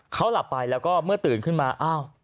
เขาหลับไปแล้วก็เมื่อตื่นขึ้นมาอ้าว